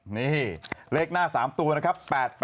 นี่เลขหน้า๓ตัวนะครับ